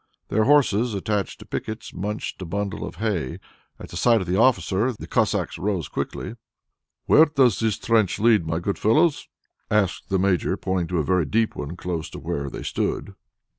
Their horses, attached to pickets, munched a bundle of hay. At the sight of the officer, the Cossacks rose quickly. "Where does this trench lead, my good fellows?" asked the Major, pointing to a very deep one close to where they stood.